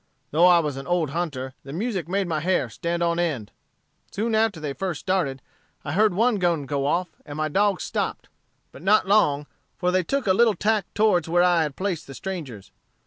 Though I was an old hunter, the music made my hair stand on end. Soon after they first started, I heard one gun go off, and my dogs stopped, but not long, for they took a little tack towards where I had placed the strangers.